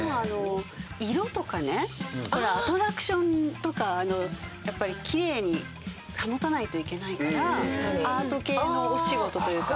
アトラクションとかあのやっぱりきれいに保たないといけないからアート系のお仕事というか。